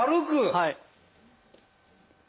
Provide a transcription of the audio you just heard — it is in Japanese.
はい。